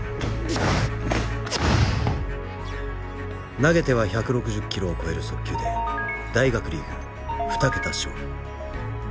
投げては１６０キロを超える速球で大学リーグ２桁勝利。